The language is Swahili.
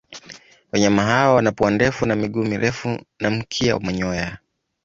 Wanyama hawa wana pua ndefu na miguu mirefu na mkia wa manyoya.